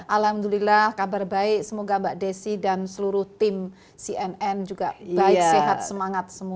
alhamdulillah kabar baik semoga mbak desi dan seluruh tim cnn juga baik sehat semangat semua